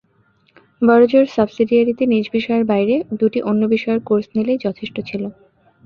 বড়জোর সাবসিডিয়ারিতে নিজ বিষয়ের বাইরে দুটি অন্য বিষয়ের কোর্স নিলেই যথেষ্ট ছিল।